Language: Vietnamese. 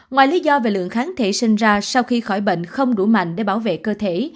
ngoài lý do về lượng kháng thể sinh ra sau khi khỏi bệnh không đủ mạnh để bảo vệ cơ thể